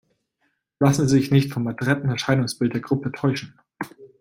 Lassen Sie sich nicht vom adretten Erscheinungsbild der Gruppe täuschen!